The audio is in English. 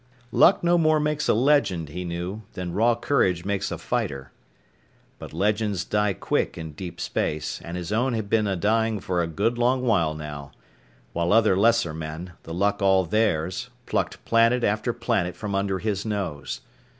Luck no more makes a legend, he knew, than raw courage makes a fighter. But legends die quick in deep space, and his own had been a dying for a good long while now, while other lesser men, the luck all theirs, plucked planet after planet from under his nose.